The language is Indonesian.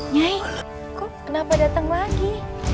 nyai kok kenapa datang lagi